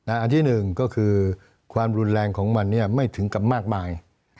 อันที่หนึ่งก็คือความรุนแรงของมันไม่ถึงกับมากมาย